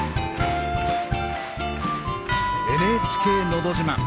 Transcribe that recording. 「ＮＨＫのど自慢」